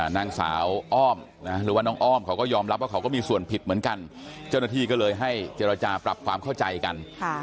นางสาวอ้อมหรือว่าน้องอ้อมเขาก็ยอมรับว่าเขาก็มีส่วนผิดเหมือนกันเจ้าหน้าที่ก็เลยให้เจรจาปรับความเข้าใจกัน